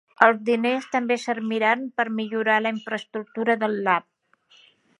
Els diners també serviran per millorar la infraestructura del lab.